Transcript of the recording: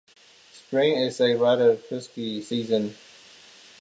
Spring is a rather frisky season.